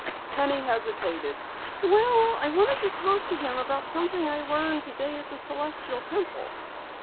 Penny hesitated. "Well, I wanted to talk to him about something I learned today at the Celestial Temple."